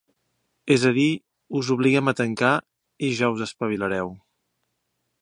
És a dir, us obliguem a tancar i ja us espavilareu.